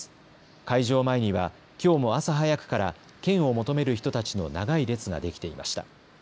会場前にはきょうも朝早くから券を求める人たちの長い列ができていました。